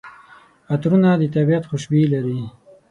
عطرونه د طبیعت خوشبويي لري.